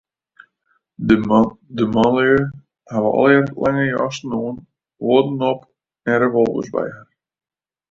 De manlju hawwe allegearre lange jassen oan, huodden op en revolvers by har.